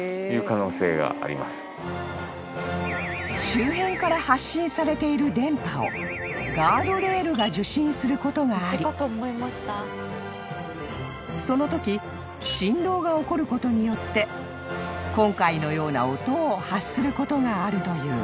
［周辺から発信されている電波をガードレールが受信することがありそのとき振動が起こることによって今回のような音を発することがあるという］